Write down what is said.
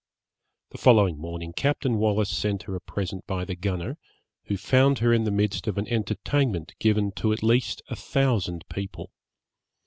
The following morning Captain Wallis sent her a present by the gunner, who found her in the midst of an entertainment given to at least a thousand people.